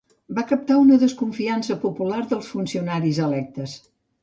Va captar una desconfiança popular dels funcionaris electes.